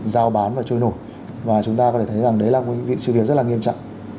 giao bán và trôi nổi và chúng ta có thể thấy rằng đấy là một sự việc rất là nghiêm trọng